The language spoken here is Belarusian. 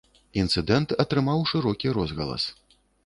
Інцыдэнт атрымаў шырокі розгалас.